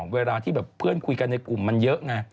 เวลาที่แบบเพื่อนคุยกันในกลุ่มมันเยอะไง